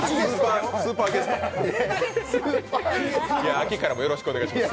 秋からもよろしくお願いします